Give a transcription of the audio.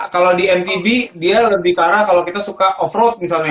kalau di mtb dia lebih ke arah kalau kita suka off road misalnya